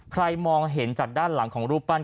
มองเห็นจากด้านหลังของรูปปั้น